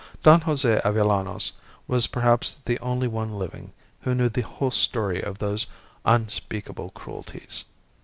Don Jose Avellanos was perhaps the only one living who knew the whole story of those unspeakable cruelties.